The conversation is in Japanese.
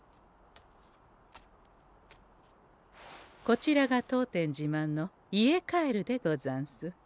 こちらが当店じまんの家カエルでござんす。